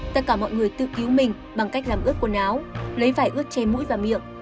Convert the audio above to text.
tất cả mọi người tự cứu mình bằng cách làm ướt quần áo lấy vải ướt tre mũi và miệng